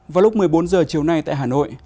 vào lúc một mươi bốn h chiều nay tại hà nội